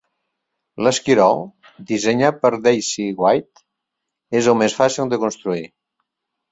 L'Esquirol, dissenyat per Darcy Whyte, és el més fàcil de construir.